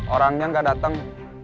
orangnya gak dateng